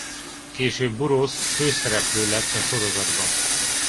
Később Burrows főszereplő lett a sorozatban.